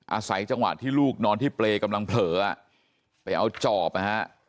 อาศัยจังหวะที่ลูกนอนที่เปรย์กำลังเผลอไปเอาจอบนะฮะ